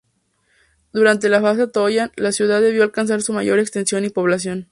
Durante la Fase Tollan, la ciudad debió alcanzar su mayor extensión y población.